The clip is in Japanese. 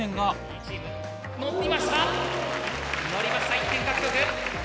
１点獲得！